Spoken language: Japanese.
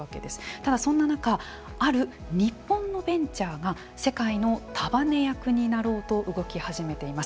ただ、そんな中ある日本のベンチャーが世界の束ね役になろうと動き始めています。